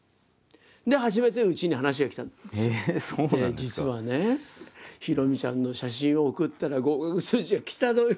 「実はねひろみちゃんの写真を送ったら合格通知が来たのよ」